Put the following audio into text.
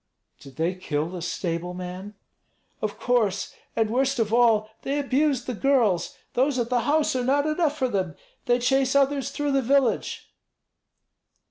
"Did they kill the stable man?" "Of course. And worst of all, they abused the girls. Those at the house are not enough for them; they chase others through the village."